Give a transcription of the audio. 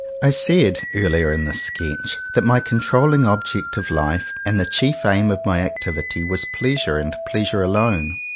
I said, earlier in this sketch, that my controlling object of life and the chief aim of my activity was Pleasure and Pleasure alone.